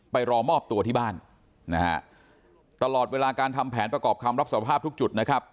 รอมอบตัวที่บ้านนะฮะตลอดเวลาการทำแผนประกอบคำรับสภาพทุกจุดนะครับ